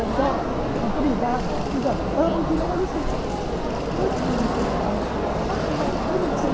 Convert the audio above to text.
ตอนแรกยังไม่เห็นว่าจะต้องทำทีสิทธิ์